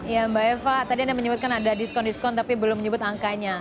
ya mbak eva tadi anda menyebutkan ada diskon diskon tapi belum menyebut angkanya